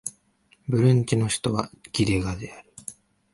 ブルンジの首都はギテガである